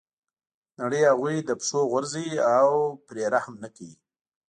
نړۍ هغوی له پښو غورځوي او پرې رحم نه کوي.